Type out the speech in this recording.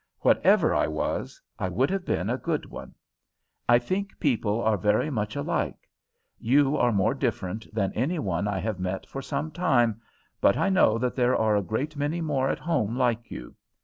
Whatever I was, I would have been a good one. I think people are very much alike. You are more different than any one I have met for some time, but I know that there are a great many more at home like you.